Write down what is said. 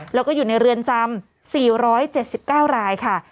แล้วก็อยู่ในเรือนจำ๔๗๙รายค่ะ